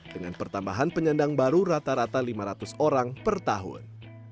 dengan pertambahan penyandang baru rata rata lima ratus orang per tahun